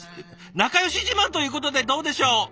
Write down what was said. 仲よし自慢ということでどうでしょう？